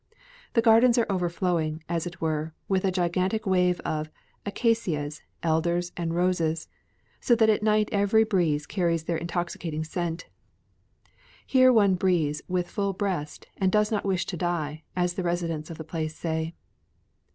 The gardens are overflowing, as it were, with a gigantic wave of acacias, elders, and roses, so that at night every breeze carries their intoxicating scent. Here one breathes with full breast and "does not wish to die," as the residents of the place say.